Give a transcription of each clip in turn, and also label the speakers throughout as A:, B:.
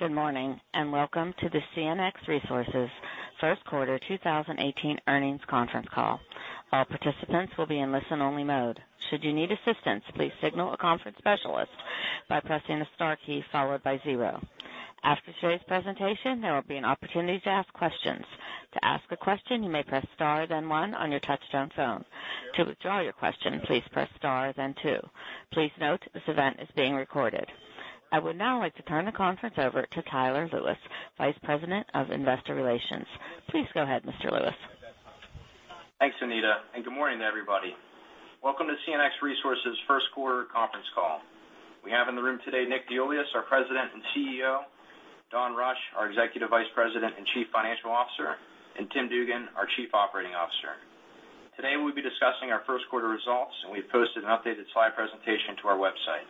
A: Good morning, and welcome to the CNX Resources first quarter 2018 earnings conference call. All participants will be in listen-only mode. Should you need assistance, please signal a conference specialist by pressing the star key followed by zero. After today's presentation, there will be an opportunity to ask questions. To ask a question, you may press star then one on your touch-tone phone. To withdraw your question, please press star then two. Please note, this event is being recorded. I would now like to turn the conference over to Tyler Lewis, Vice President of Investor Relations. Please go ahead, Mr. Lewis.
B: Thanks, Anita, and good morning, everybody. Welcome to CNX Resources' first quarter conference call. We have in the room today Nick DeIuliis, our President and CEO; Don Rush, our Executive Vice President and Chief Financial Officer; and Tim Dugan, our Chief Operating Officer. Today, we'll be discussing our first quarter results, and we've posted an updated slide presentation to our website.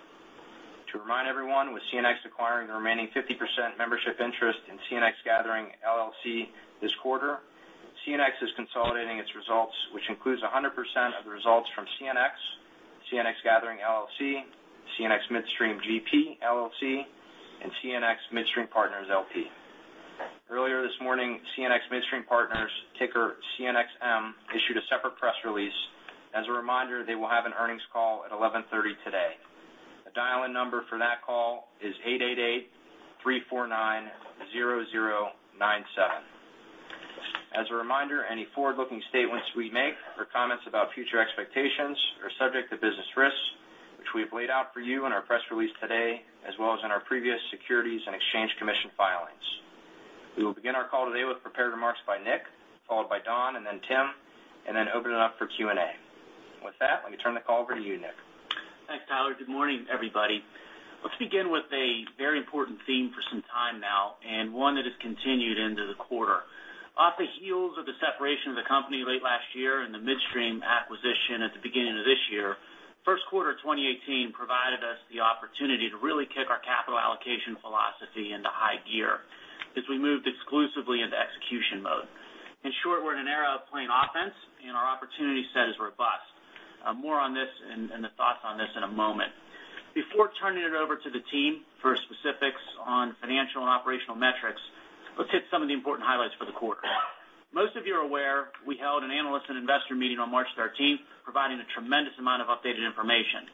B: To remind everyone, with CNX acquiring the remaining 50% membership interest in CNX Gathering LLC this quarter, CNX is consolidating its results, which includes 100% of the results from CNX Gathering LLC, CNX Midstream GP LLC, and CNX Midstream Partners LP. Earlier this morning, CNX Midstream Partners, ticker CNXM, issued a separate press release. As a reminder, they will have an earnings call at 11:30 A.M. today. The dial-in number for that call is 888-349-0097. As a reminder, any forward-looking statements we make or comments about future expectations are subject to business risks, which we have laid out for you in our press release today, as well as in our previous Securities and Exchange Commission filings. We will begin our call today with prepared remarks by Nick, followed by Don, and then Tim, and then open it up for Q&A. With that, let me turn the call over to you, Nick.
C: Thanks, Tyler. Good morning, everybody. Let's begin with a very important theme for some time now, and one that has continued into the quarter. Off the heels of the separation of the company late last year and the midstream acquisition at the beginning of this year, first quarter 2018 provided us the opportunity to really kick our capital allocation philosophy into high gear as we moved exclusively into execution mode. In short, we're in an era of playing offense, and our opportunity set is robust. More on this and the thoughts on this in a moment. Before turning it over to the team for specifics on financial and operational metrics, let's hit some of the important highlights for the quarter. Most of you are aware we held an analyst and investor meeting on March 13th, providing a tremendous amount of updated information.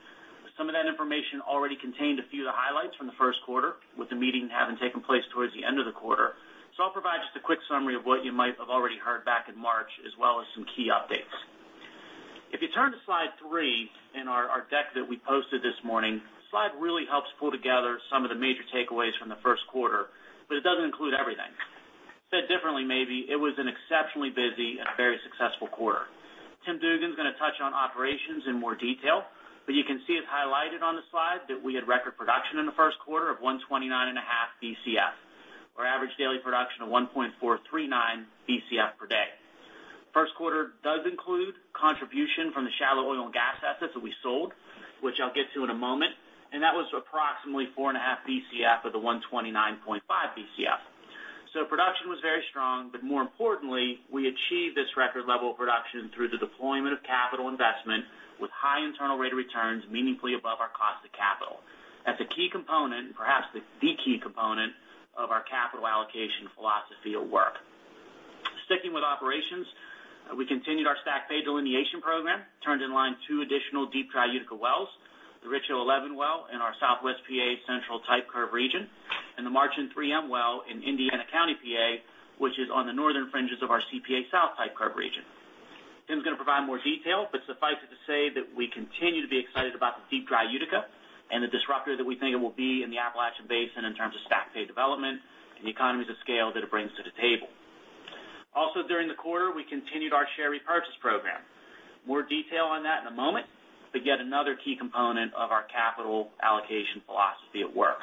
C: Some of that information already contained a few of the highlights from the first quarter, with the meeting having taken place towards the end of the quarter. I'll provide just a quick summary of what you might have already heard back in March, as well as some key updates. If you turn to slide three in our deck that we posted this morning, the slide really helps pull together some of the major takeaways from the first quarter, but it doesn't include everything. Said differently maybe, it was an exceptionally busy and a very successful quarter. Tim Dugan's going to touch on operations in more detail, but you can see it's highlighted on the slide that we had record production in the first quarter of 129.5 BCF. Our average daily production of 1.439 BCF per day. First quarter does include contribution from the shallow oil and gas assets that we sold, which I'll get to in a moment, and that was approximately 4.5 BCF of the 129.5 BCF. Production was very strong, but more importantly, we achieved this record level of production through the deployment of capital investment with high internal rate of returns meaningfully above our cost of capital. That's a key component, perhaps the key component of our capital allocation philosophy at work. Sticking with operations, we continued our STACK Play delineation program, turned in line two additional Deep Dry Utica wells, the Richhill 11 well in our Southwest P.A. Central Type Curve Region, and the Marchand 3M well in Indiana County, P.A., which is on the northern fringes of our CPA South Type Curve Region. Tim's going to provide more detail, but suffice it to say that we continue to be excited about the Deep Dry Utica and the disruptor that we think it will be in the Appalachian Basin in terms of STACK Play development and the economies of scale that it brings to the table. Also during the quarter, we continued our share repurchase program. More detail on that in a moment, but yet another key component of our capital allocation philosophy at work.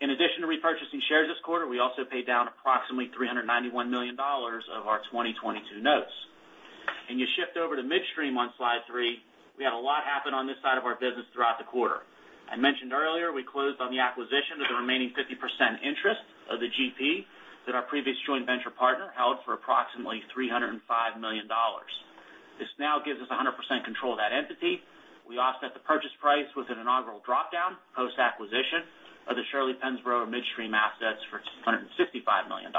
C: In addition to repurchasing shares this quarter, we also paid down approximately $391 million of our 2022 notes. You shift over to midstream on slide three, we had a lot happen on this side of our business throughout the quarter. I mentioned earlier, we closed on the acquisition of the remaining 50% interest of the GP that our previous joint venture partner held for approximately $305 million. This now gives us 100% control of that entity. We offset the purchase price with an inaugural drop down post-acquisition of the Shirley-Pennsboro midstream assets for $255 million.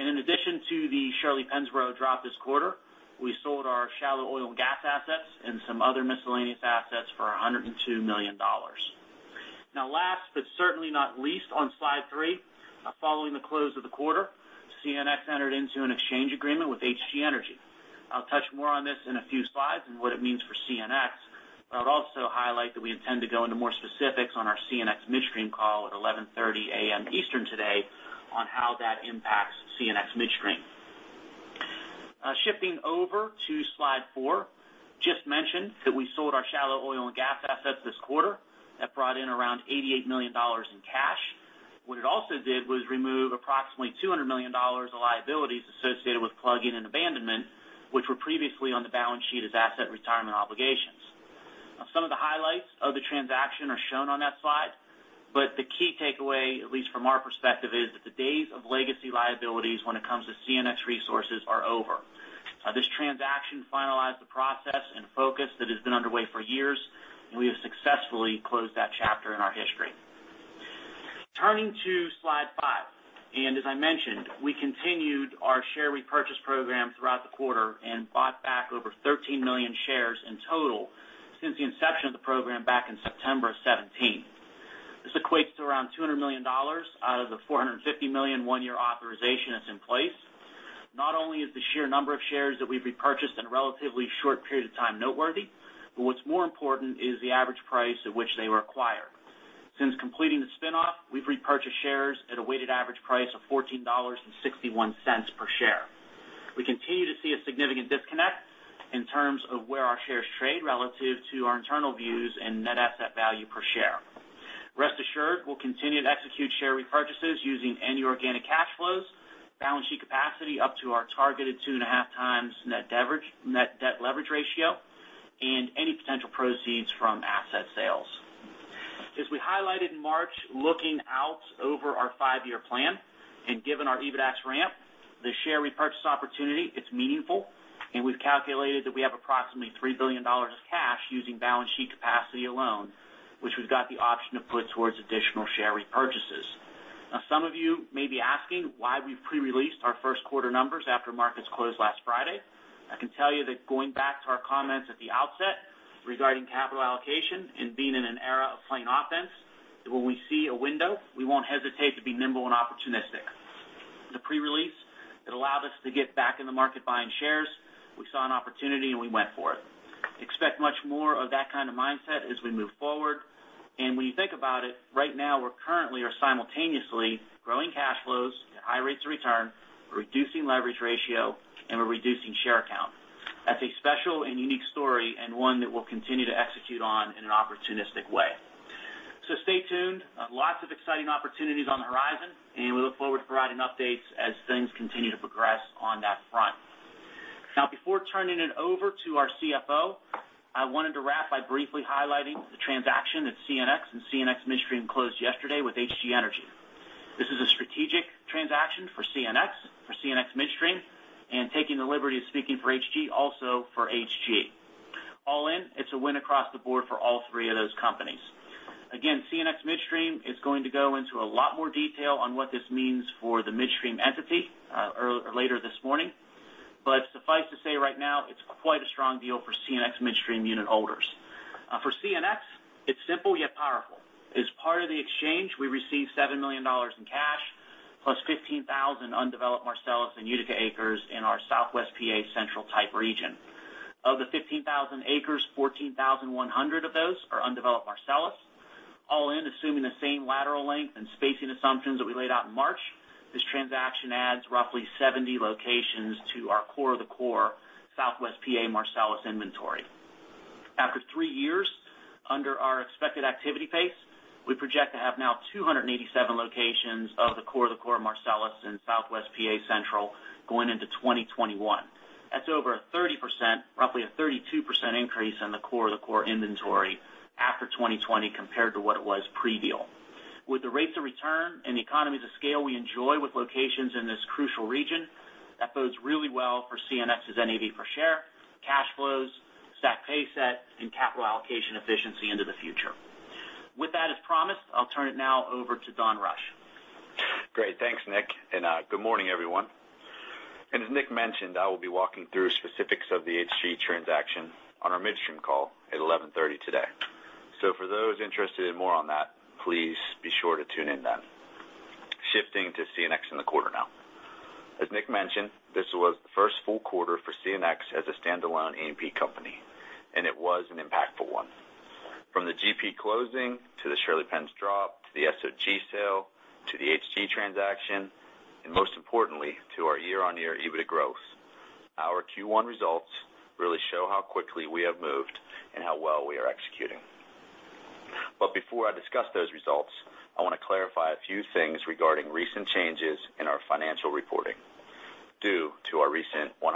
C: In addition to the Shirley-Pennsboro drop this quarter, we sold our shallow oil and gas assets and some other miscellaneous assets for $102 million. Last, but certainly not least, on slide three, following the close of the quarter, CNX entered into an exchange agreement with HG Energy. I'll touch more on this in a few slides and what it means for CNX, but I would also highlight that we intend to go into more specifics on our CNX Midstream call at 11:30 A.M. Eastern today on how that impacts CNX Midstream. Shifting over to slide four, just mentioned that we sold our shallow oil and gas assets this quarter. That brought in around $88 million in cash. What it also did was remove approximately $200 million of liabilities associated with plugging and abandonment, which were previously on the balance sheet as asset retirement obligations. Some of the highlights of the transaction are shown on that slide, but the key takeaway, at least from our perspective, is that the days of legacy liabilities when it comes to CNX Resources are over. This transaction finalized the process and focus that has been underway for years, we have successfully closed that chapter in our history. Turning to slide five, as I mentioned, we continued our share repurchase program throughout the quarter and bought back over 13 million shares in total since the inception of the program back in September 2017. This equates to around $200 million out of the $450 million one-year authorization that's in place. Not only is the sheer number of shares that we've repurchased in a relatively short period of time noteworthy, but what's more important is the average price at which they were acquired. Since completing the spin-off, we've repurchased shares at a weighted average price of $14.61 per share. We continue to see a significant disconnect in terms of where our shares trade relative to our internal views and net asset value per share. Rest assured, we'll continue to execute share repurchases using any organic cash flows, balance sheet capacity up to our targeted 2.5 times net debt leverage ratio, and any potential proceeds from asset sales. As we highlighted in March, looking out over our five-year plan, given our EBITDAX ramp, the share repurchase opportunity, it's meaningful, and we've calculated that we have approximately $3 billion in cash using balance sheet capacity alone, which we've got the option to put towards additional share repurchases. Some of you may be asking why we've pre-released our first quarter numbers after markets closed last Friday. I can tell you that going back to our comments at the outset regarding capital allocation and being in an era of playing offense, that when we see a window, we won't hesitate to be nimble and opportunistic. The pre-release, it allowed us to get back in the market buying shares. We saw an opportunity, we went for it. Expect much more of that kind of mindset as we move forward. When you think about it, right now, we currently are simultaneously growing cash flows at high rates of return, we're reducing leverage ratio, we're reducing share count. That's a special and unique story, and one that we'll continue to execute on in an opportunistic way. Stay tuned. Lots of exciting opportunities on the horizon, we look forward to providing updates as things continue to progress on that front. Before turning it over to our CFO, I wanted to wrap by briefly highlighting the transaction that CNX and CNX Midstream closed yesterday with HG Energy. This is a strategic transaction for CNX, for CNX Midstream, taking the liberty of speaking for HG, also for HG. All in, it's a win across the board for all three of those companies. CNX Midstream is going to go into a lot more detail on what this means for the midstream entity later this morning. Suffice to say right now, it's quite a strong deal for CNX Midstream unit holders. For CNX, it's simple, yet powerful. As part of the exchange, we received $7 million in cash plus 15,000 undeveloped Marcellus and Utica acres in our Southwest PA Central type region. Of the 15,000 acres, 14,100 of those are undeveloped Marcellus. All in, assuming the same lateral length and spacing assumptions that we laid out in March, this transaction adds roughly 70 locations to our core of the core Southwest PA Marcellus inventory. After three years, under our expected activity pace, we project to have now 287 locations of the core of the core Marcellus in Southwest PA Central going into 2021. That's over a 30%, roughly a 32% increase in the core of the core inventory after 2020 compared to what it was pre-deal. With the rates of return and the economies of scale we enjoy with locations in this crucial region, that bodes really well for CNX's NAV per share, cash flows, STACK Play, and capital allocation efficiency into the future. With that, as promised, I'll turn it now over to Don Rush.
D: Great. Thanks, Nick, good morning, everyone. As Nick mentioned, I will be walking through specifics of the HG transaction on our midstream call at 11:30 A.M. today. For those interested in more on that, please be sure to tune in then. Shifting to CNX in the quarter now. As Nick mentioned, this was the first full quarter for CNX as a standalone E&P company, it was an impactful one. From the GP closing to the Shirley-Pennsboro drop, to the S O&G sale, to the HG transaction, most importantly, to our year-on-year EBITDA growth. Our Q1 results really show how quickly we have moved how well we are executing. Before I discuss those results, I want to clarify a few things regarding recent changes in our financial reporting due to our recent 100%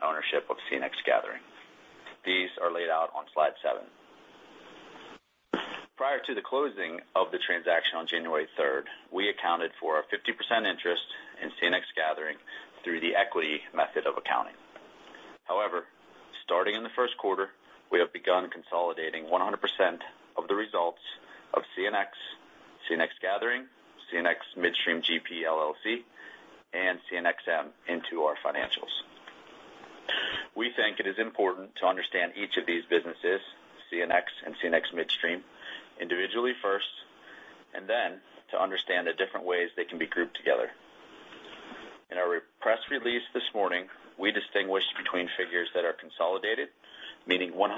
D: ownership of CNX Gathering. These are laid out on slide seven. Prior to the closing of the transaction on January 3rd, we accounted for a 50% interest in CNX Gathering through the equity method of accounting. However, starting in the first quarter, we have begun consolidating 100% of the results of CNX Gathering, CNX Midstream GP LLC, CNXM into our financials. We think it is important to understand each of these businesses, CNX CNX Midstream, individually first, then to understand the different ways they can be grouped together. In our press release this morning, we distinguished between figures that are consolidated, meaning 100%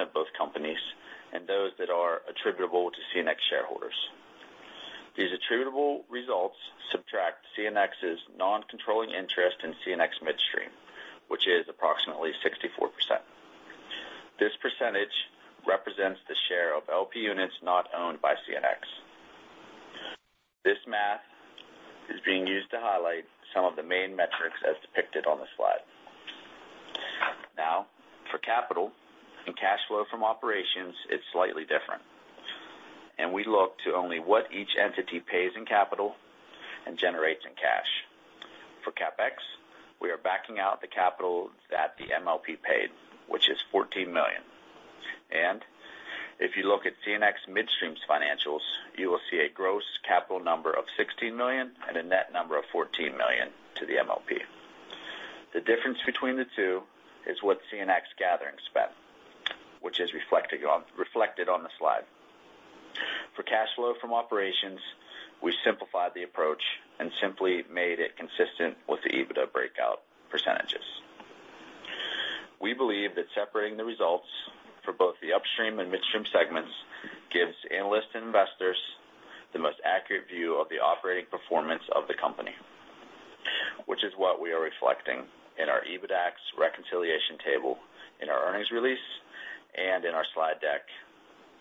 D: of both companies, those that are attributable to CNX shareholders. These attributable results subtract CNX's non-controlling interest in CNX Midstream, which is approximately 64%. This percentage represents the share of LP units not owned by CNX. This math is being used to highlight some of the main metrics as depicted on the slide. In cash flow from operations, it's slightly different. We look to only what each entity pays in capital and generates in cash. For CapEx, we are backing out the capital that the MLP paid, which is $14 million. If you look at CNX Midstream's financials, you will see a gross capital number of $16 million and a net number of $14 million to the MLP. The difference between the two is what CNX Gathering spent, which is reflected on the slide. For cash flow from operations, we simplified the approach and simply made it consistent with the EBITDA breakout percentages. We believe that separating the results for both the upstream and midstream segments gives analysts and investors the most accurate view of the operating performance of the company, which is what we are reflecting in our EBITDAX reconciliation table in our earnings release and in our slide deck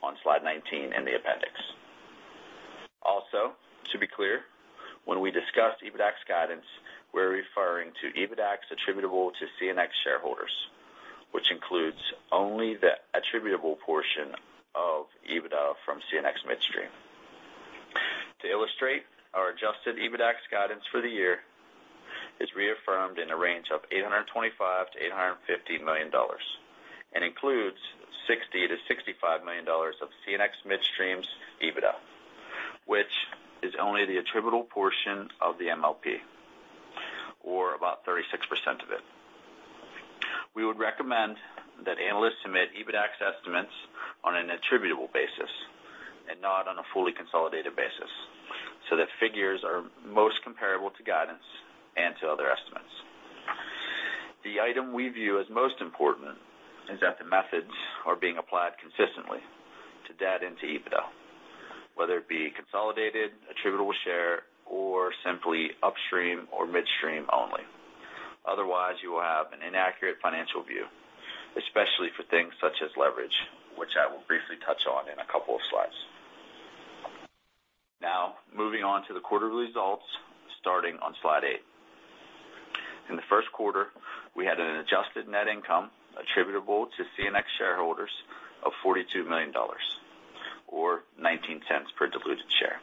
D: on slide 19 in the appendix. Also, to be clear, when we discuss EBITDAX guidance, we're referring to EBITDAX attributable to CNX shareholders, which includes only the attributable portion of EBITDA from CNX Midstream. To illustrate, our adjusted EBITDAX guidance for the year is reaffirmed in a range of $825 million-$850 million. It includes $60 million-$65 million of CNX Midstream's EBITDA, which is only the attributable portion of the MLP, or about 36% of it. We would recommend that analysts submit EBITDAX estimates on an attributable basis and not on a fully consolidated basis so that figures are most comparable to guidance and to other estimates. The item we view as most important is that the methods are being applied consistently to debt into EBITDA, whether it be consolidated, attributable share, or simply upstream or midstream only. Otherwise, you will have an inaccurate financial view, especially for things such as leverage, which I will briefly touch on in a couple of slides. Now, moving on to the quarterly results, starting on slide eight. In the first quarter, we had an adjusted net income attributable to CNX shareholders of $42 million, or $0.19 per diluted share,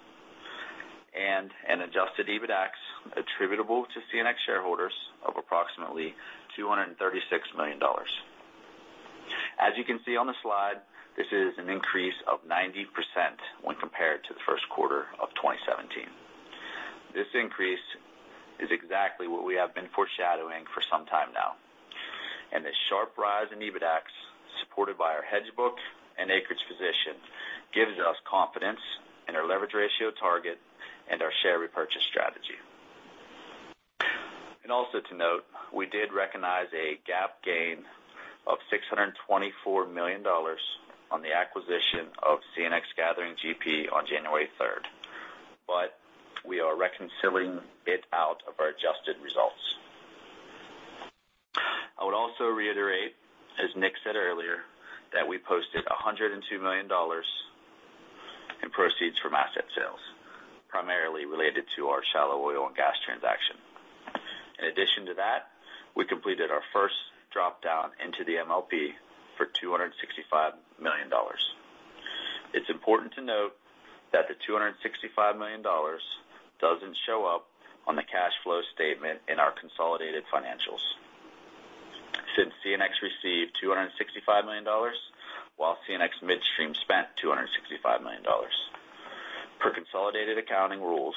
D: and an adjusted EBITDAX attributable to CNX shareholders of approximately $236 million. As you can see on the slide, this is an increase of 90% when compared to the first quarter of 2017. This increase is exactly what we have been foreshadowing for some time now, and the sharp rise in EBITDAX, supported by our hedge book and acreage position, gives us confidence in our leverage ratio target and our share repurchase strategy. Also, to note, we did recognize a GAAP gain of $624 million on the acquisition of CNX Gathering GP on January 3rd. We are reconciling it out of our adjusted results. I would also reiterate, as Nick said earlier, that we posted $102 million in proceeds from asset sales, primarily related to our shallow oil and gas transaction. In addition to that, we completed our first drop down into the MLP for $265 million. It's important to note that the $265 million doesn't show up on the cash flow statement in our consolidated financials. Since CNX received $265 million, while CNX Midstream spent $265 million. Per consolidated accounting rules,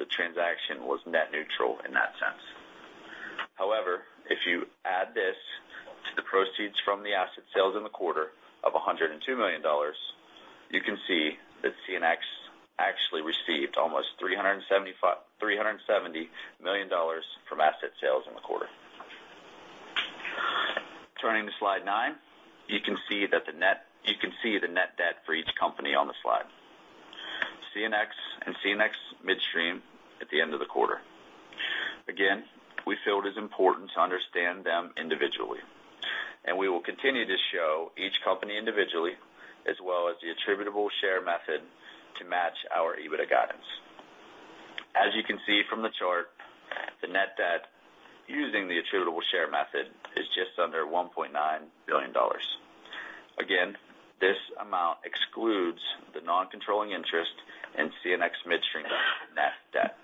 D: the transaction was net neutral in that sense. However, if you add this to the proceeds from the asset sales in the quarter of $102 million, you can see that CNX actually received almost $370 million from asset sales in the quarter. Turning to slide nine, you can see the net debt for each company on the slide. CNX and CNX Midstream at the end of the quarter. Again, we feel it is important to understand them individually, and we will continue to show each company individually, as well as the attributable share method to match our EBITDA guidance. As you can see from the chart, the net debt using the attributable share method is just under $1.9 billion. Again, this amount excludes the non-controlling interest in CNX Midstream net debt.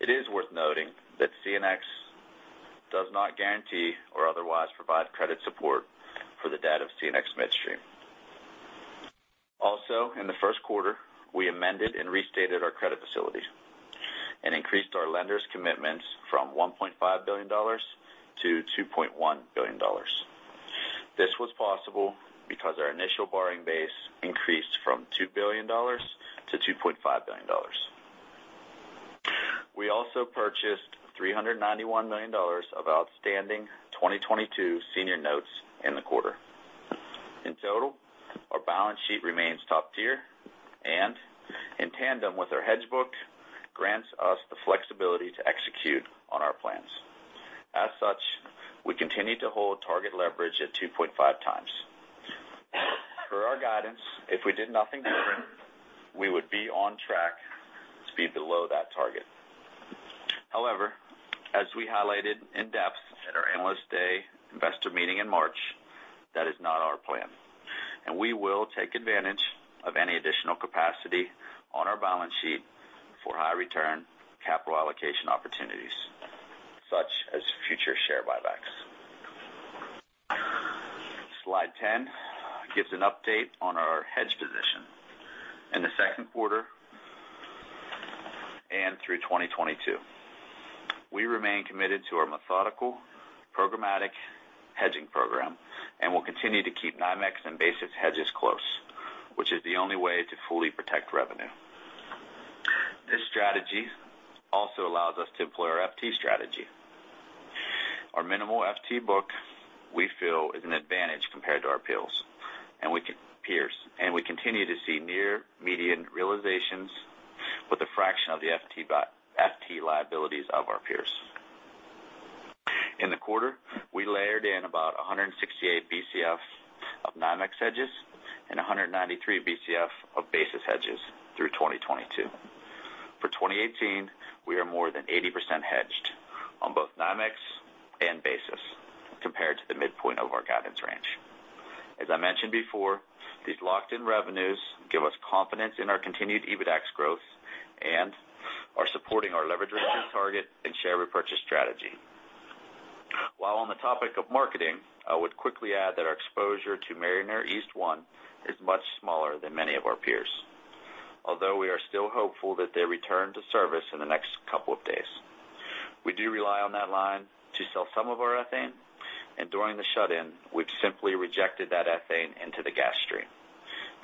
D: It is worth noting that CNX does not guarantee or otherwise provide credit support for the debt of CNX Midstream. Also, in the first quarter, we amended and restated our credit facility and increased our lenders' commitments from $1.5 billion to $2.1 billion. This was possible because our initial borrowing base increased from $2 billion to $2.5 billion. We also purchased $391 million of outstanding 2022 senior notes in the quarter. In total, our balance sheet remains top tier and, in tandem with our hedge book, grants us the flexibility to execute on our plans. As such, we continue to hold target leverage at 2.5 times. Per our guidance, if we did nothing different, we would be on track. We highlighted in depth at our Analyst Day Investor Meeting in March, that is not our plan. We will take advantage of any additional capacity on our balance sheet for high return capital allocation opportunities, such as future share buybacks. Slide 10 gives an update on our hedge position. In the second quarter and through 2022, we remain committed to our methodical programmatic hedging program and will continue to keep NYMEX and basis hedges close, which is the only way to fully protect revenue. This strategy also allows us to employ our FT strategy. Our minimal FT book, we feel, is an advantage compared to our peers, and we continue to see near median realizations with a fraction of the FT liabilities of our peers. In the quarter, we layered in about 168 Bcf of NYMEX hedges and 193 Bcf of basis hedges through 2022. For 2018, we are more than 80% hedged on both NYMEX and basis compared to the midpoint of our guidance range. As I mentioned before, these locked-in revenues give us confidence in our continued EBITDAX growth and are supporting our leverage ratio target and share repurchase strategy. While on the topic of marketing, I would quickly add that our exposure to Mariner East 1 is much smaller than many of our peers. We are still hopeful that they return to service in the next couple of days. We do rely on that line to sell some of our ethane, and during the shut-in, we've simply rejected that ethane into the gas stream.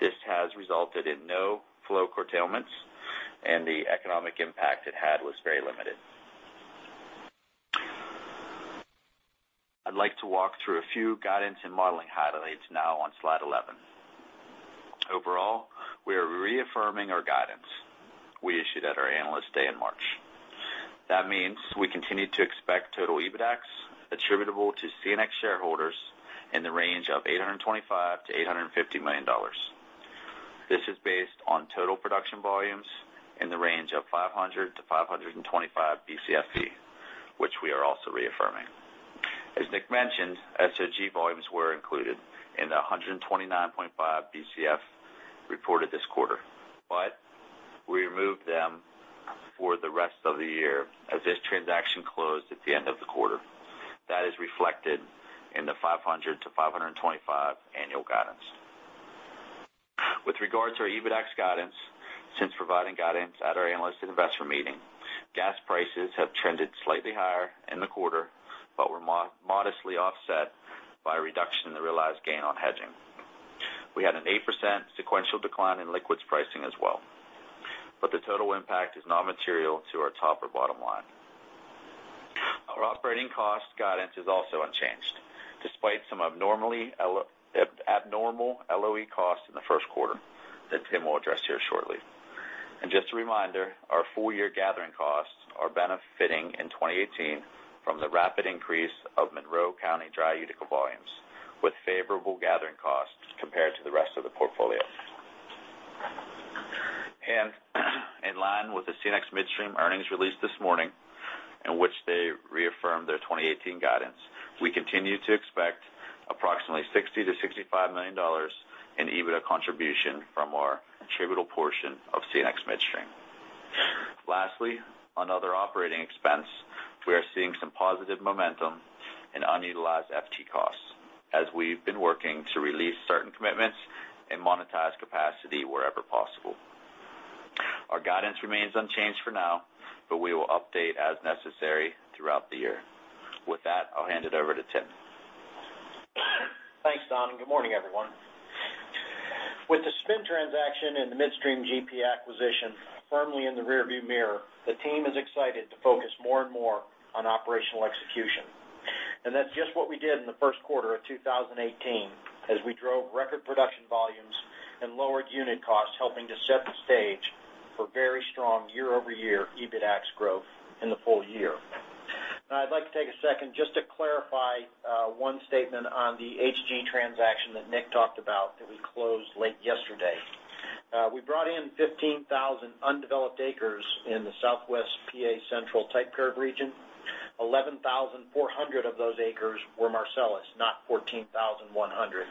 D: This has resulted in no flow curtailments, and the economic impact it had was very limited. I'd like to walk through a few guidance and modeling highlights now on slide 11. Overall, we are reaffirming our guidance we issued at our Analyst Day in March. That means we continue to expect total EBITDAX attributable to CNX shareholders in the range of $825 million-$850 million. This is based on total production volumes in the range of 500 Bcfe-525 Bcfe, which we are also reaffirming. As Nick mentioned, HG volumes were included in the 129.5 Bcf reported this quarter. We removed them for the rest of the year as this transaction closed at the end of the quarter. That is reflected in the 500-525 annual guidance. With regards to our EBITDAX guidance, since providing guidance at our Analyst and Investor Meeting, gas prices have trended slightly higher in the quarter but were modestly offset by a reduction in the realized gain on hedging. We had an 8% sequential decline in liquids pricing as well. The total impact is not material to our top or bottom line. Our operating cost guidance is also unchanged, despite some abnormal LOE costs in the first quarter that Tim will address here shortly. Just a reminder, our full-year gathering costs are benefiting in 2018 from the rapid increase of Monroe County dry Utica volumes, with favorable gathering costs compared to the rest of the portfolio. In line with the CNX Midstream earnings release this morning, in which they reaffirmed their 2018 guidance, we continue to expect approximately $60 million-$65 million in EBITDA contribution from our attributable portion of CNX Midstream. Lastly, on other operating expense, we are seeing some positive momentum in unutilized FT costs as we've been working to release certain commitments and monetize capacity wherever possible. Our guidance remains unchanged for now, we will update as necessary throughout the year. With that, I'll hand it over to Tim.
E: Thanks, Don, and good morning, everyone. With the SPIN transaction and the Midstream GP acquisition firmly in the rearview mirror, the team is excited to focus more and more on operational execution. That's just what we did in the first quarter of 2018 as we drove record production volumes and lowered unit costs, helping to set the stage for very strong year-over-year EBITDAX growth in the full year. I'd like to take a second just to clarify one statement on the HG transaction that Nick talked about that we closed late yesterday. We brought in 15,000 undeveloped acres in the Southwest PA Central Type Curve Region, 11,400 of those acres were Marcellus, not 14,100,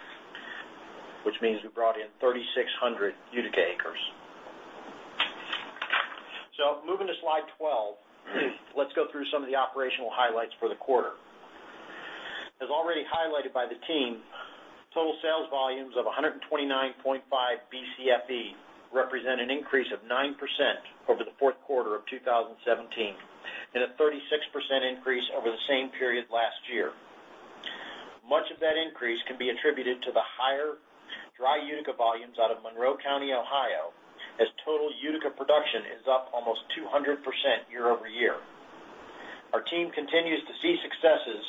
E: which means we brought in 3,600 Utica acres. Moving to slide 12, let's go through some of the operational highlights for the quarter. As already highlighted by the team, total sales volumes of 129.5 Bcfe represent an increase of 9% over the fourth quarter of 2017 and a 36% increase over the same period last year. Much of that increase can be attributed to the higher dry Utica volumes out of Monroe County, Ohio, as total Utica production is up almost 200% year-over-year. Our team continues to see successes,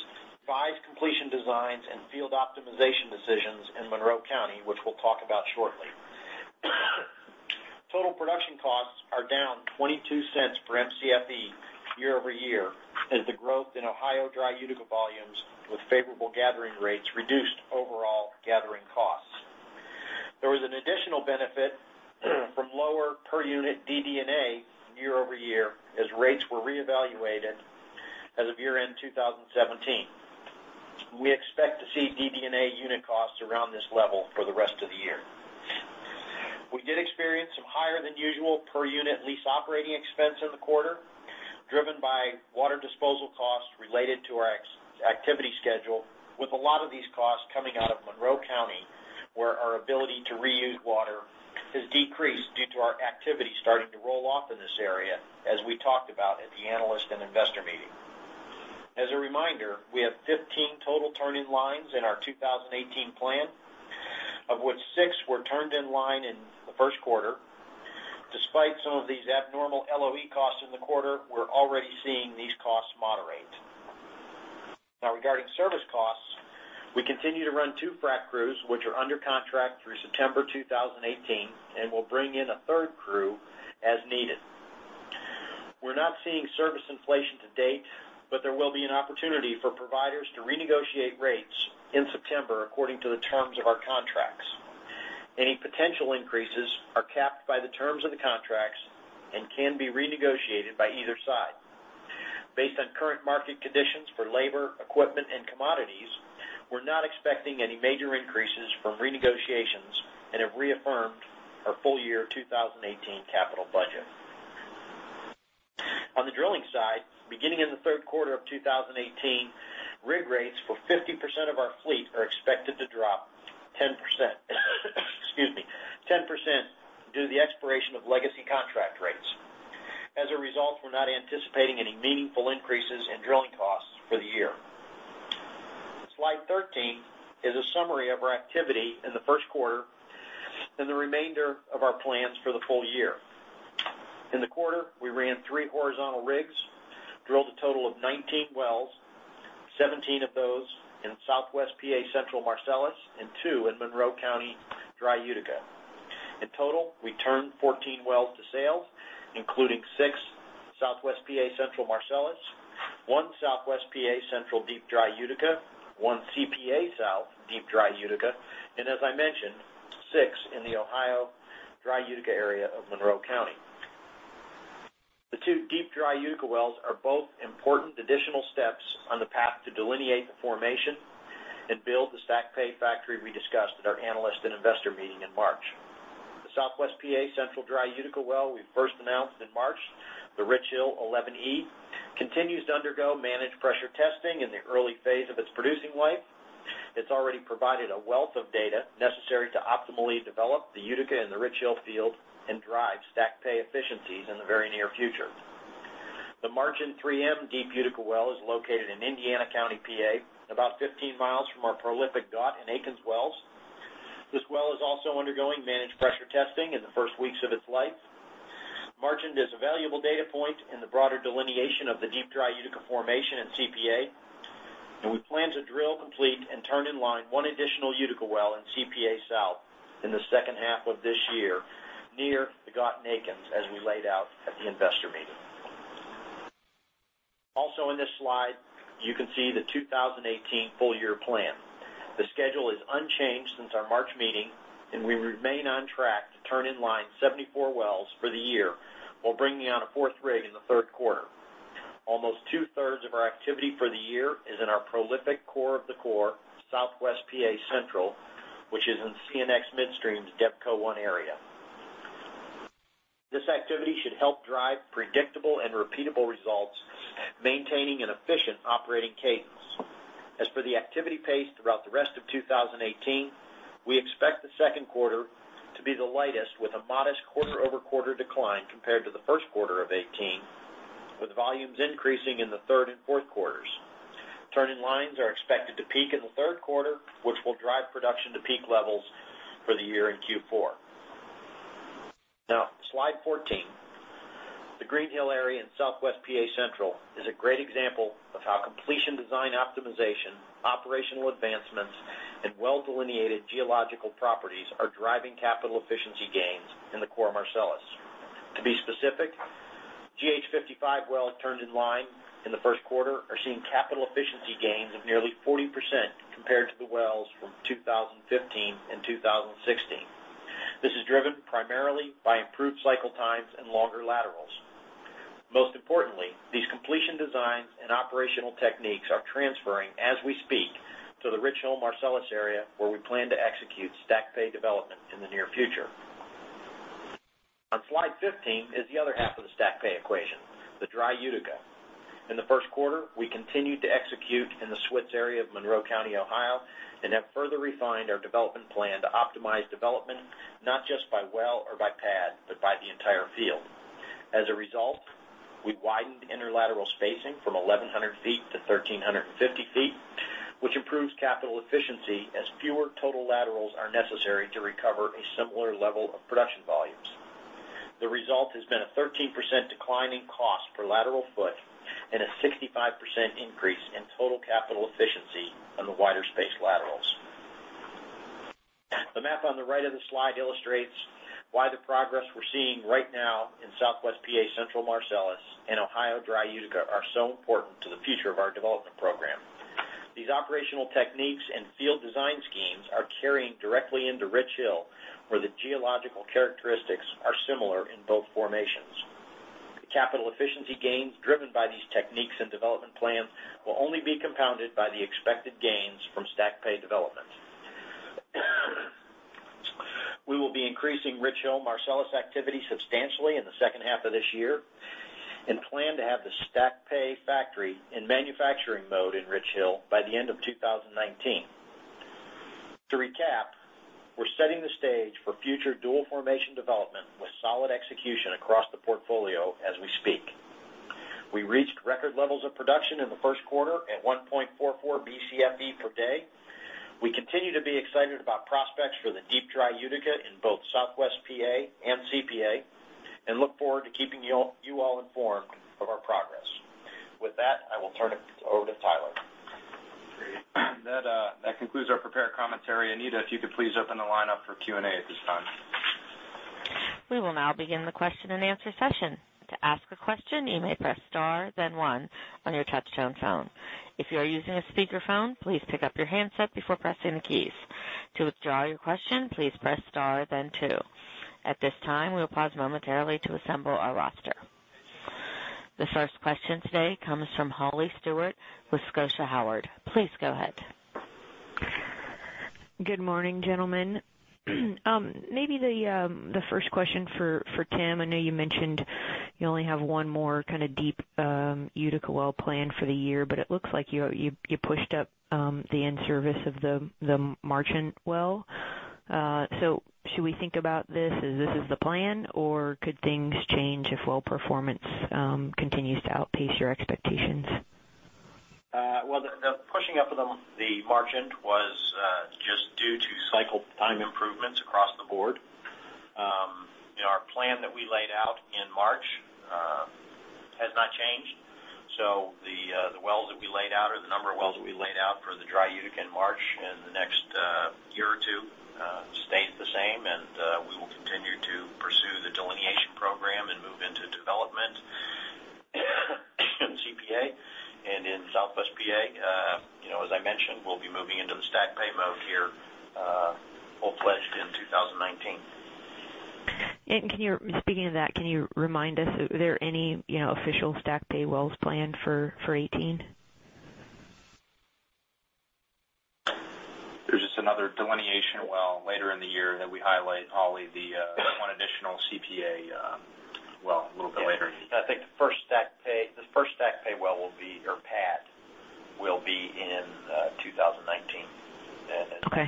E: five completion designs and field optimization decisions in Monroe County, which we'll talk about shortly. Total production costs are down $0.22 per Mcfe year-over-year as the growth in Ohio dry Utica volumes with favorable gathering rates reduced overall gathering costs. There was an additional benefit from lower per unit DD&A year-over-year as rates were reevaluated as of year-end 2017. We expect to see DD&A unit costs around this level for the rest of the year. We did experience some higher than usual per unit lease operating expense in the quarter, driven by water disposal costs related to our activity schedule, with a lot of these costs coming out of Monroe County, where our ability to reuse water has decreased due to our activity starting to roll off in this area, as we talked about at the analyst and investor meeting. As a reminder, we have 15 total turn-in-lines in our 2018 plan, of which six were turned in line in the first quarter. Despite some of these abnormal LOE costs in the quarter, we're already seeing these costs moderate. Regarding service costs, we continue to run two frac crews, which are under contract through September 2018, and we'll bring in a third crew as needed. We're not seeing service inflation to date. There will be an opportunity for providers to renegotiate rates in September according to the terms of our contracts. Any potential increases are capped by the terms of the contracts and can be renegotiated by either side. Based on current market conditions for labor, equipment, and commodities, we're not expecting any major increases from renegotiations and have reaffirmed our full year 2018 capital budget. On the drilling side, beginning in the third quarter of 2018, rig rates for 50% of our fleet are expected to drop 10%. Excuse me. 10% due to the expiration of legacy contract rates. As a result, we're not anticipating any meaningful increases in drilling costs for the year. Slide 13 is a summary of our activity in the first quarter and the remainder of our plans for the full year. In the quarter, we ran three horizontal rigs, drilled a total of 19 wells, 17 of those in Southwest PA Central Marcellus and two in Monroe County Dry Utica. In total, we turned 14 wells to sales, including six Southwest PA Central Marcellus, one Southwest PA Central Deep Dry Utica, one CPA South Deep Dry Utica, and as I mentioned, six in the Ohio Dry Utica area of Monroe County. The two Deep Dry Utica wells are both important additional steps on the path to delineate the formation and build the stack pay factory we discussed at our analyst and investor meeting in March. The Southwest PA Central Dry Utica well we first announced in March, the Richhill 11E, continues to undergo managed pressure testing in the early phase of its producing life. It's already provided a wealth of data necessary to optimally develop the Utica in the Richhill field and drive STACK Play efficiencies in the very near future. The Marchand 3M Deep Utica well is located in Indiana County, P.A., about 15 miles from our prolific Gaut and Aikens wells. This well is also undergoing managed pressure testing in the first weeks of its life. Marchand is a valuable data point in the broader delineation of the Deep Dry Utica formation in CPA. We plan to drill complete and turn in line one additional Utica well in CPA South in the second half of this year near the Gaut and Aikens, as we laid out at the investor meeting. Also in this slide, you can see the 2018 full year plan. The schedule is unchanged since our March meeting. We remain on track to turn in line 74 wells for the year while bringing on a fourth rig in the third quarter. Almost two-thirds of our activity for the year is in our prolific core of the core, Southwest P.A. Central, which is in CNX Midstream DevCo I area. This activity should help drive predictable and repeatable results, maintaining an efficient operating cadence. As for the activity pace throughout the rest of 2018, we expect the second quarter to be the lightest with a modest quarter-over-quarter decline compared to the first quarter of 2018, with volumes increasing in the third and fourth quarters. Turn-in-lines are expected to peak in the third quarter, which will drive production to peak levels for the year in Q4. Slide 14. The Greenhill area in Southwest P.A. Central is a great example of how completion design optimization, operational advancements, and well-delineated geological properties are driving capital efficiency gains in the core Marcellus. To be specific, GH 55 wells turned in line in the first quarter are seeing capital efficiency gains of nearly 40% compared to the wells from 2015 and 2016. This is driven primarily by improved cycle times and longer laterals. Most importantly, these completion designs and operational techniques are transferring as we speak to the Richhill Marcellus area, where we plan to execute STACK Play development in the near future. Slide 15 is the other half of the STACK Play equation, the Dry Utica. In the first quarter, we continued to execute in the Switz area of Monroe County, Ohio. We have further refined our development plan to optimize development, not just by well or by pad, but by the entire field. As a result, we widened interlateral spacing from 1,100 feet to 1,350 feet, which improves capital efficiency as fewer total laterals are necessary to recover a similar level of production volumes. The result has been a 13% decline in cost per lateral foot and a 65% increase in total capital efficiency on the wider space laterals. The map on the right of the slide illustrates why the progress we're seeing right now in Southwest P.A. Central Marcellus and Ohio Dry Utica are so important to the future of our development program. These operational techniques and field design schemes are carrying directly into Richhill, where the geological characteristics are similar in both formations. The capital efficiency gains driven by these techniques and development plans will only be compounded by the expected gains from STACK Play development. We will be increasing Richhill Marcellus activity substantially in the second half of this year, and plan to have the STACK Play factory in manufacturing mode in Richhill by the end of 2019. To recap, we're setting the stage for future dual formation development with solid execution across the portfolio as we speak. We reached record levels of production in the first quarter at 1.44 Bcfe per day. We continue to be excited about prospects for the Deep Dry Utica in both Southwest PA and CPA, and look forward to keeping you all informed of our progress. With that, I will turn it over to Tyler.
B: Great. That concludes our prepared commentary. Anita, if you could please open the line up for Q&A at this time.
A: We will now begin the question and answer session. To ask a question, you may press star then one on your touchtone phone. If you are using a speakerphone, please pick up your handset before pressing the keys. To withdraw your question, please press star then two. At this time, we'll pause momentarily to assemble our roster. The first question today comes from Holly Stewart with Scotia Howard. Please go ahead.
F: Good morning, gentlemen. Maybe the first question for Tim. I know you mentioned you only have one more Deep Dry Utica well plan for the year, but it looks like you pushed up the in-service of the Marchand well. Should we think about this as the plan, or could things change if well performance continues to outpace your expectations?
E: Well, the pushing up of the Marchand was just due to cycle time improvements across the board. Our plan that we laid out in March has not changed. The number of wells that we laid out for the dry Utica in March in the next year or two stays the same. We will continue to pursue the delineation program and move into development in CPA and in Southwest PA. As I mentioned, we'll be moving into the STACK Play mode here full-fledged in 2019.
F: Speaking of that, can you remind us, are there any official STACK Play wells planned for 2018?
C: There's just another delineation well later in the year that we highlight, Holly, the one additional CPA well a little bit later.
E: I think the first STACK Play well will be, or pad, will be in 2019.
F: Okay.
E: At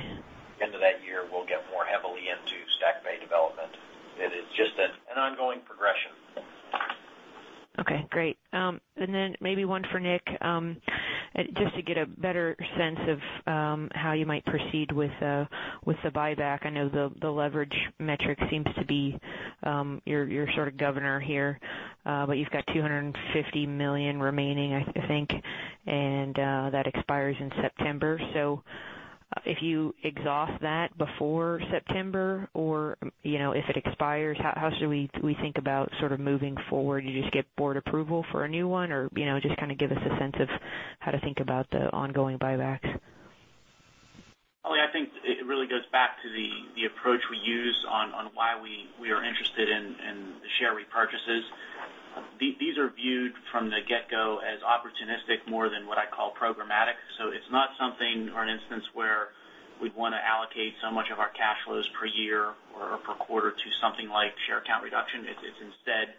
E: the end of that year, we'll get more heavily into STACK Play development. It is just an ongoing progression.
F: Okay, great. Maybe one for Nick, just to get a better sense of how you might proceed with the buyback. I know the leverage metric seems to be your sort of governor here. You've got $250 million remaining, I think, and that expires in September. If you exhaust that before September or if it expires, how should we think about sort of moving forward? You just get board approval for a new one? Just give us a sense of how to think about the ongoing buybacks.
C: Holly, I think it really goes back to the approach we use on why we are interested in the share repurchases. These are viewed from the get-go as opportunistic more than what I call programmatic. It's not something or an instance where we'd want to allocate so much of our cash flows per year or per quarter to something like share count reduction. It's instead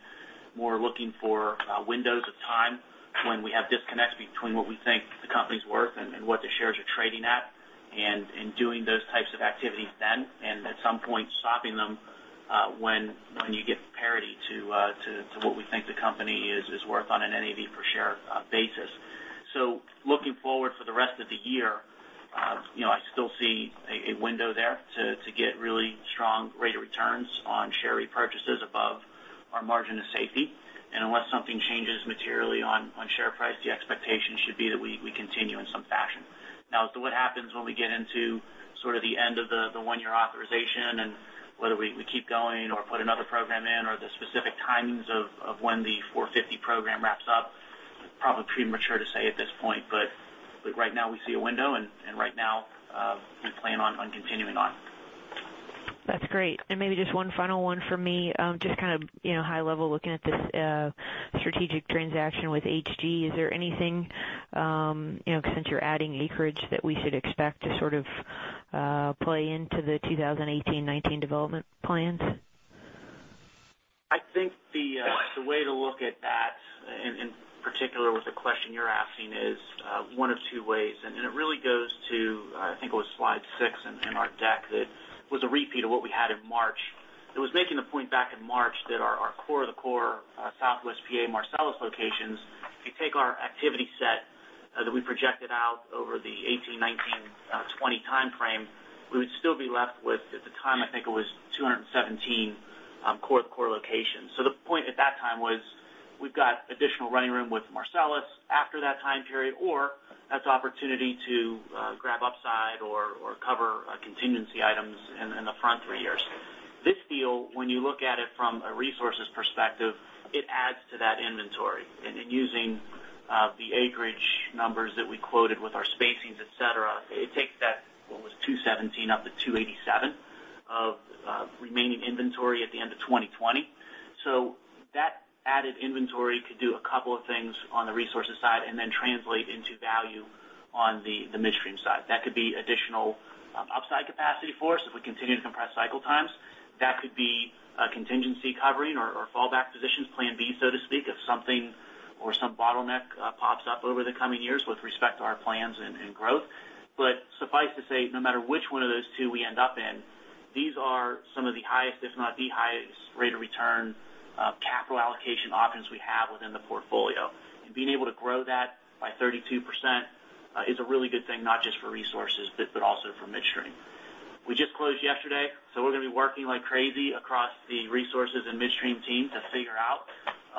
C: more looking for windows of time when we have disconnects between what we think the company's worth and what the shares are trading at. Doing those types of activities then, and at some point stopping them, when you get parity to what we think the company is worth on an NAV per share basis. Looking forward for the rest of the year, I still see a window there to get really strong rate of returns on share repurchases above our margin of safety. Unless something changes materially on share price, the expectation should be that we continue in some fashion. What happens when we get into sort of the end of the one-year authorization and whether we keep going or put another program in or the specific timings of when the 450 program wraps up, probably premature to say at this point. Right now we see a window. Right now we plan on continuing on.
F: That's great. Maybe just one final one for me. Just high level looking at this strategic transaction with HG. Is there anything, since you're adding acreage, that we should expect to sort of play into the 2018-19 development plans?
C: I think the way to look at that in particular with the question you're asking is one of two ways, it really goes to, I think it was slide six in our deck. That was a repeat of what we had in March. It was making the point back in March that our core of the core Southwest P.A. Marcellus locations, if you take our activity set that we projected out over the 2018, 2019, 2020 timeframe, we would still be left with, at the time, I think it was 217 core locations. The point at that time was we've got additional running room with Marcellus after that time period, or as opportunity to grab upside Cover contingency items in the front three years. This deal, when you look at it from a Resources perspective, it adds to that inventory. Using the acreage numbers that we quoted with our spacings, et cetera, it takes that, what was 217 up to 287 of remaining inventory at the end of 2020. That added inventory could do a couple of things on the Resources side and then translate into value on the Midstream side. That could be additional upside capacity for us if we continue to compress cycle times. That could be a contingency covering or fallback positions, plan B, so to speak, if something or some bottleneck pops up over the coming years with respect to our plans and growth. Suffice to say, no matter which one of those two we end up in, these are some of the highest, if not the highest rate of return capital allocation options we have within the portfolio. Being able to grow that by 32% is a really good thing, not just for Resources, but also for Midstream. We just closed yesterday, we're going to be working like crazy across the Resources and Midstream team to figure out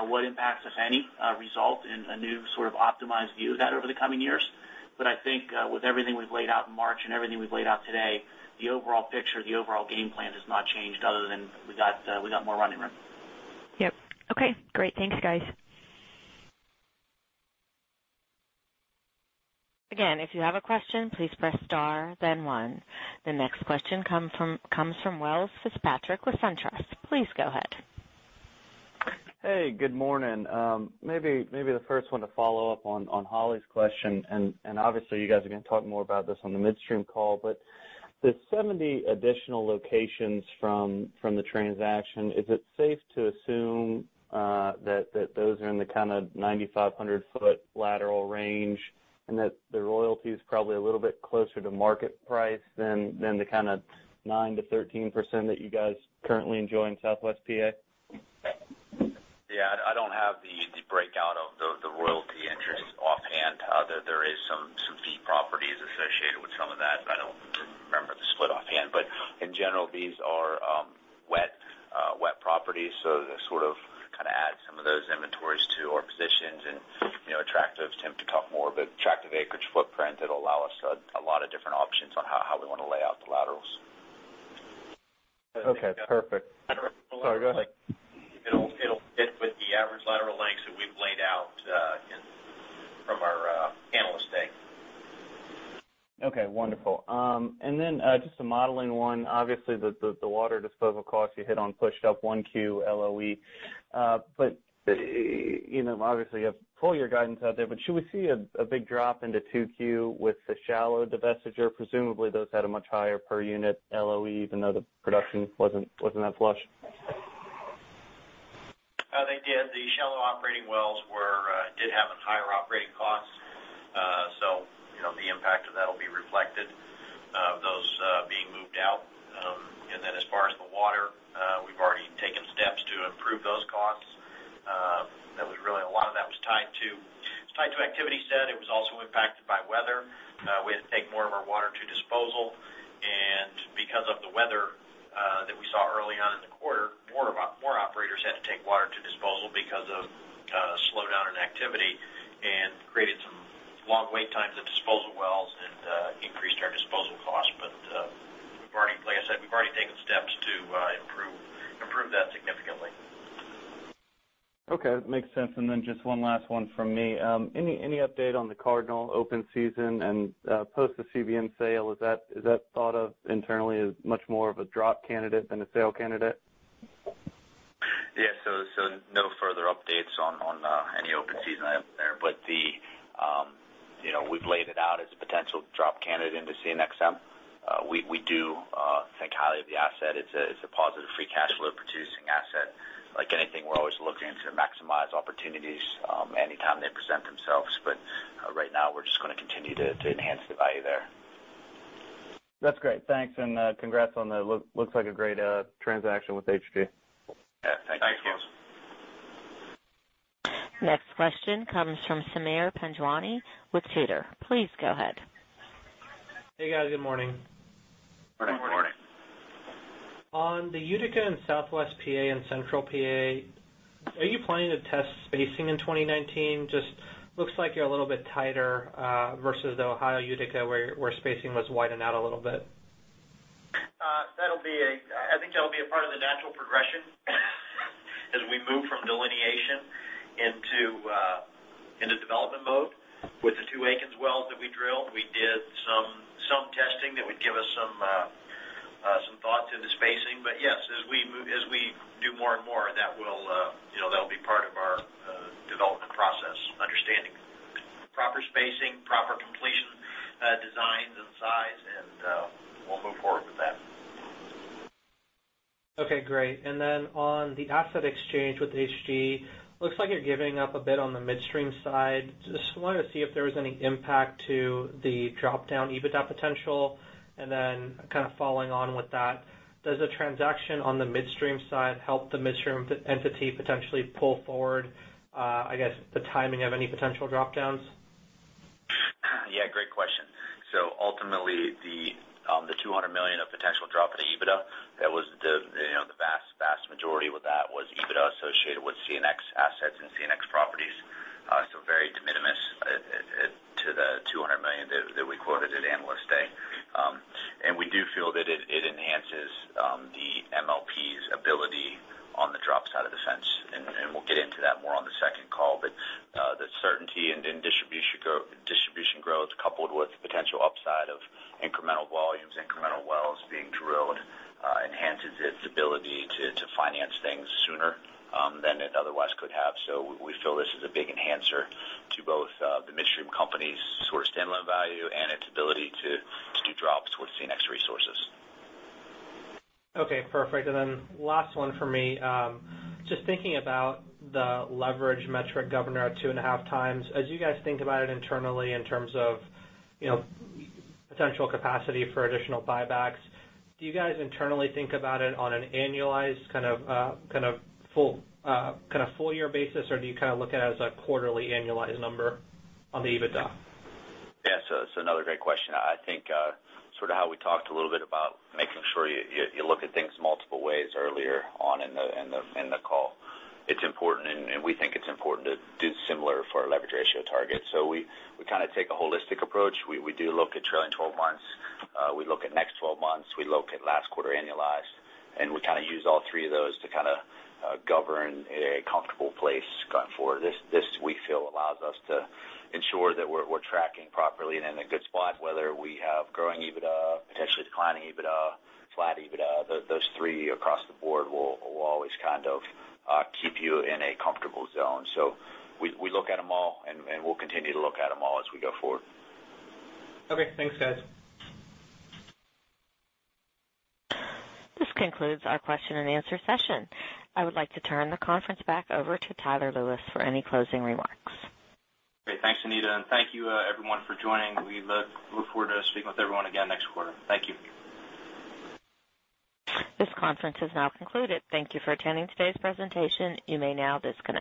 C: what impacts, if any, result in a new sort of optimized view of that over the coming years. I think with everything we've laid out in March and everything we've laid out today, the overall picture, the overall game plan has not changed other than we got more running room.
F: Yep. Okay, great. Thanks, guys.
A: Again, if you have a question, please press star then one. The next question comes from Welles Fitzpatrick with SunTrust. Please go ahead.
G: Hey, good morning. Maybe the first one to follow up on Holly's question, and obviously you guys are going to talk more about this on the midstream call, but the 70 additional locations from the transaction, is it safe to assume that those are in the kind of 9,500-foot lateral range, and that the royalty is probably a little bit closer to market price than the kind of 9%-13% that you guys currently enjoy in Southwest P.A.?
C: Yeah, I don't have the breakout of the royalty interest offhand. There is some fee properties associated with some of that, but I don't remember the split offhand. In general, these are wet properties, so they sort of add some of those inventories to our positions and Tim talked more of it, attractive acreage footprint that'll allow us a lot of different options on how we want to lay out the laterals.
G: Okay, perfect. Sorry, go ahead.
C: It'll fit with the average lateral lengths that we've laid out from our Analyst Day.
G: Okay, wonderful. Just a modeling one. Obviously, the water disposal cost you hit on pushed up 1Q LOE. Obviously you have full year guidance out there, should we see a big drop into 2Q with the shallow divestiture? Presumably, those had a much higher per unit LOE, even though the production wasn't that flush.
E: They did. The shallow operating wells did have a higher operating cost. The impact of that will be reflected, those being moved out. As far as the water, we've already taken steps to improve those costs. A lot of that was tied to activity set. It was also impacted by weather. We had to take more of our water to disposal, and because of the weather that we saw early on in the quarter, more operators had to take water to disposal because of slowdown in activity, and created some long wait times at disposal wells and increased our disposal costs. Like I said, we've already taken steps to improve that significantly.
G: Okay, makes sense. Then just one last one from me. Any update on the Cardinal open season and post the CBM sale? Is that thought of internally as much more of a drop candidate than a sale candidate?
C: Yeah, no further updates on any open season out there, but we've laid it out as a potential drop candidate into CNXM. We do think highly of the asset. It's a positive free cash flow producing asset. Like anything, we're always looking to maximize opportunities anytime they present themselves. Right now we're just going to continue to enhance the value there.
G: That's great. Thanks, and congrats on that. Looks like a great transaction with HG.
C: Yeah. Thanks, Welles.
A: Next question comes from Sameer Panjwani with Tudor. Please go ahead.
H: Hey, guys. Good morning.
D: Morning.
C: Morning.
H: On the Utica and Southwest PA and Central PA, are you planning to test spacing in 2019? Looks like you're a little bit tighter versus the Ohio Utica, where spacing was widened out a little bit.
E: I think that'll be a part of the natural progression as we move from delineation into development mode. With the two Aikens wells that we drilled, we did some testing that would give us some thought to the spacing. Yes, as we do more and more, that'll be part of our development process understanding. Proper spacing, proper completion designs and size, and we'll move forward with that.
H: Okay, great. On the asset exchange with HG, looks like you're giving up a bit on the midstream side. Just wanted to see if there was any impact to the drop-down EBITDA potential. Then kind of following on with that, does the transaction on the midstream side help the midstream entity potentially pull forward, I guess, the timing of any potential drop-downs?
C: Yeah, great question. Ultimately, the $200 million of potential drop in EBITDA that was de-
D: EBITDA associated with CNX assets and CNX properties, very de minimis to the $200 million that we quoted at Analyst Day. We do feel that it enhances the MLP's ability on the drop side of the fence, we'll get into that more on the second call. The certainty in distribution growth, coupled with potential upside of incremental volumes, incremental wells being drilled, enhances its ability to finance things sooner than it otherwise could have. We feel this is a big enhancer to both the midstream company's sort of stand-alone value and its ability to do drops with CNX Resources.
H: Okay, perfect. Last one for me. Just thinking about the leverage metric governor at 2.5 times. As you guys think about it internally in terms of potential capacity for additional buybacks, do you guys internally think about it on an annualized kind of full year basis, or do you kind of look at it as a quarterly annualized number on the EBITDA?
D: Yeah. That's another great question. I think sort of how we talked a little bit about making sure you look at things multiple ways earlier on in the call. It's important, and we think it's important to do similar for our leverage ratio target. We kind of take a holistic approach. We do look at trailing 12 months. We look at next 12 months. We look at last quarter annualized, and we kind of use all three of those to kind of govern a comfortable place going forward. This, we feel, allows us to ensure that we're tracking properly and in a good spot, whether we have growing EBITDA, potentially declining EBITDA, flat EBITDA. Those three across the board will always kind of keep you in a comfortable zone. We look at them all, and we'll continue to look at them all as we go forward.
H: Okay, thanks, guys.
A: This concludes our question and answer session. I would like to turn the conference back over to Tyler Lewis for any closing remarks.
B: Great. Thanks, Anita, and thank you everyone for joining. We look forward to speaking with everyone again next quarter. Thank you.
A: This conference has now concluded. Thank you for attending today's presentation. You may now disconnect.